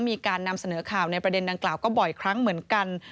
มีการนำเสนอข่าวในประเด็นดังกล่าวก็บ่อยครั้งเหมือนกัน